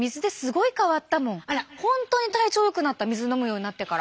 本当に体調よくなった水飲むようになってから。